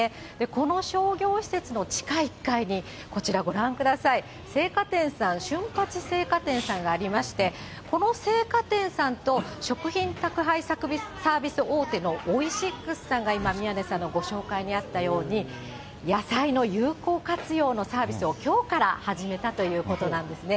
この商業施設の地下１階に、こちらご覧ください、青果店さん、旬八青果店さんがありまして、この青果店さんと食品宅配サービス大手のオイシックスさんが、今、宮根さんのご紹介にあったように、野菜の有効活用のサービスをきょうから始めたということなんですね。